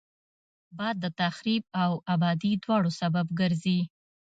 باد د تخریب او آبادي دواړو سبب ګرځي